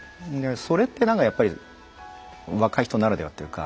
それってなんかやっぱり若い人ならではというか。